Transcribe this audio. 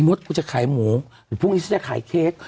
อิมศกูจะขายหมูหรือพวกนี้ซ่าจะขายเค็ก